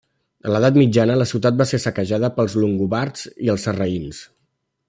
A l'edat mitjana la ciutat va ser saquejada pels longobards i els sarraïns.